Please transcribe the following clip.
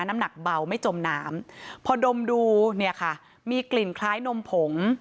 น้ำหนักเบาไม่จมน้ำพอดมดูเนี่ยค่ะมีกลิ่นคล้ายนมผง